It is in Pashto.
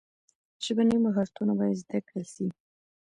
ژبني مهارتونه باید زده کړل سي.